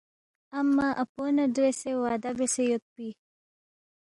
امّہ اپو نہ دریسے وعدہ بیاسے یودپی